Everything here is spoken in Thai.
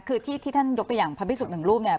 คือที่ท่านยกตัวอย่างพระพิสุทธิหนึ่งรูปเนี่ย